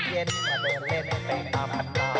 เย่ไปแล้ว